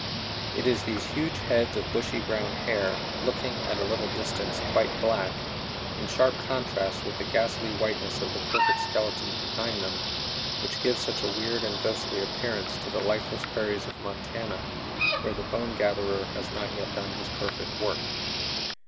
It is these huge heads of bushy brown hair, looking, at a little distance, quite black, in sharp contrast with the ghastly whiteness of the perfect skeletons behind them, which gives such a weird and ghostly appearance to the lifeless prairies of Montana where the bone gatherer has not yet done his perfect work.